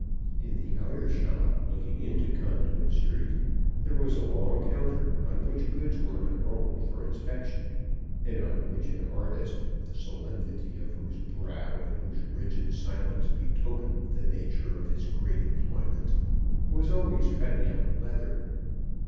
In the outer shop, looking into Conduit Street, there was a long counter on which goods were unrolled for inspection; and on which an artist, the solemnity of whose brow and whose rigid silence betokened the nature of his great employment, was always cutting out leather.